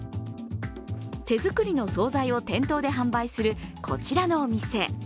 手作りの総菜を店頭で販売するこちらのお店。